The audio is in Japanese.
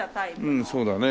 うんそうだね。